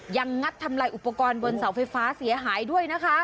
งัดทำลายอุปกรณ์บนเสาไฟฟ้าเสียหายด้วยนะคะ